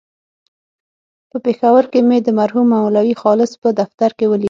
په پېښور کې مې د مرحوم مولوي خالص په دفتر کې ولید.